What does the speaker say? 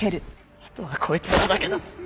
あとはこいつらだけだ。